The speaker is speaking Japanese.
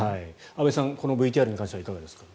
阿部さん、このＶＴＲに関してはいかがですか？